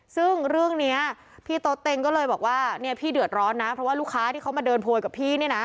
ซึ่งเรื่องนี้พี่โต๊เต็งก็เลยบอกว่าเนี่ยพี่เดือดร้อนนะเพราะว่าลูกค้าที่เขามาเดินโพยกับพี่เนี่ยนะ